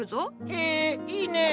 へえいいねえ。